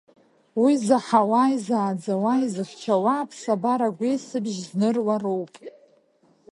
Уи заҳауа изааӡауа, изыхьчауа, аԥсабара агәеисыбжь зныруа роуп.